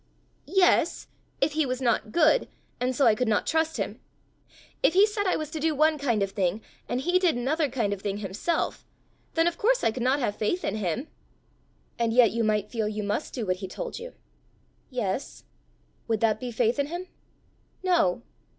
"Yes if he was not good and so I could not trust him. If he said I was to do one kind of thing, and he did another kind of thing himself, then of course I could not have faith in him." "And yet you might feel you must do what he told you!" "Yes." "Would that be faith in him?" "No."